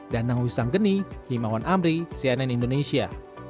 danang wisang geni himawan amri cnn indonesia